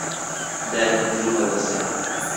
دایکم زوو هەڵدەستێت.